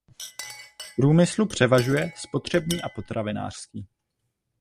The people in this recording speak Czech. Z průmyslu převažuje spotřební a potravinářský.